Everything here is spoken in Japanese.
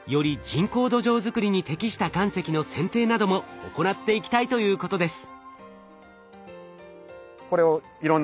人工土壌作りに適した岩石の選定なども行っていきたいということです。